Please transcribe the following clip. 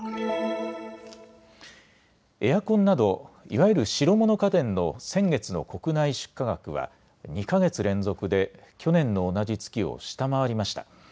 エアコンなどいわゆる白物家電の先月の国内出荷額は２か月連続で去年の同じ月を下回りました。